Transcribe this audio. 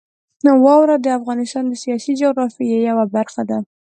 واوره د افغانستان د سیاسي جغرافیې یوه برخه ده.